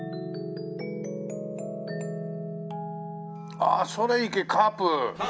あっ『それ行けカープ』。